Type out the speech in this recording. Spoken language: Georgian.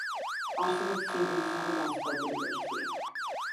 არსებობს სინგლის სამი განსხვავებული ვერსია.